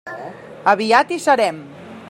Aviat hi serem!